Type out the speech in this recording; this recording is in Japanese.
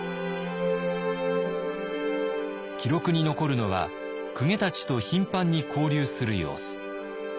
記録に残るのは公家たちと頻繁に交流する様子。